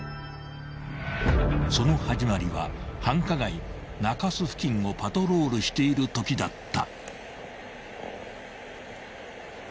［その始まりは繁華街中洲付近をパトロールしているときだった］